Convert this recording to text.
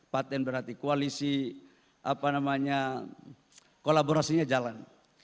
paten berarti koalisi apa namanya kolaborasinya jalan